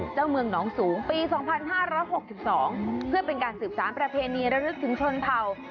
เจ้าเมืองนองสูงปีสองพันห้าร้อยหกสิบสองเพื่อเป็นการสืบสารประเพณีระนึกถึงชนเผ่า